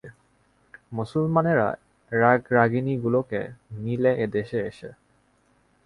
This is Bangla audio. মুসলমানেরা রাগরাগিণীগুলোকে নিলে এদেশে এসে।